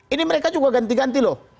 ini mereka juga ganti ganti loh